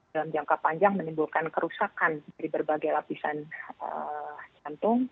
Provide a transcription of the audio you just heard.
dalam jangka panjang menimbulkan kerusakan dari berbagai lapisan jantung